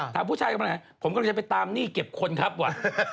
ถามผู้ชายกันบ้างไงผมก็จะไปตามหนี้เก็บคนครับวะ